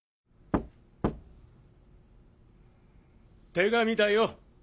手紙だよ